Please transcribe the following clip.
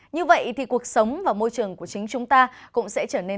như vậy thì cuộc sống và môi trường của chính chúng ta cũng sẽ trở nên tốt hơn